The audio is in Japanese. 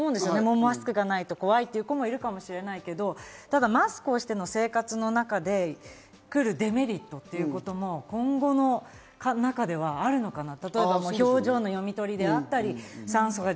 マスクがないと怖いっていう子もいるかもしれないけど、マスクをしている生活の中でのデメリット、今後の中ではあるのかなと。